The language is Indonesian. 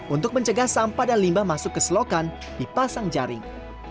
untuk mencegah sampah dan limbah masuk ke selokan dipasang jaring